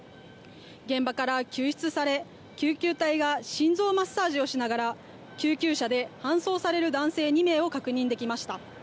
現場から救出され、救急隊が心臓マッサージをしながら救急車で搬送される男性２名を確認できました。